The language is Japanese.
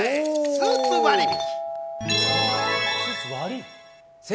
スーツ割引。